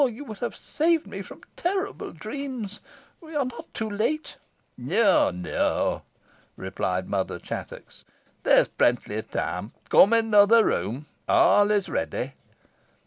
You would have saved me from terrible dreams. We are not too late?" "No, no," replied Mother Chattox; "there is plenty of time. Come into the other room. All is ready."